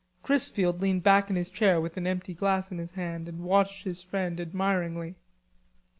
Chrisfield leaned back in his chair with an empty glass in his hand and watched his friend admiringly.